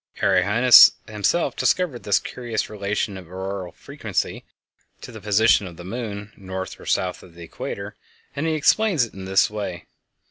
Arrhenius himself discovered this curious relation of auroral frequency to the position of the moon north or south of the equator, and he explains it in this way.